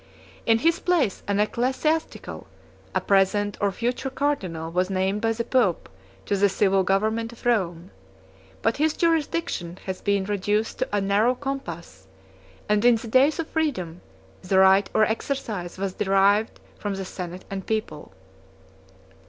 42 In his place an ecclesiastic, a present or future cardinal, was named by the pope to the civil government of Rome; but his jurisdiction has been reduced to a narrow compass; and in the days of freedom, the right or exercise was derived from the senate and people.